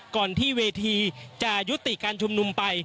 ก่อนที่เวทีจะยุติการชุมนุมไป